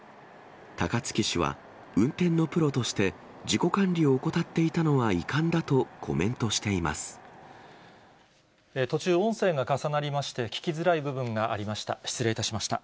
高槻市は、運転のプロとして自己管理を怠っていたのは遺憾だとコメントして途中、音声が重なりまして、聞きづらい部分がありました。